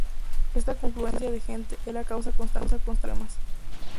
Esta confluencia de gente era causa constante de problemas.